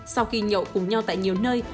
sau khi nhậu cùng nhau tại nhiều nơi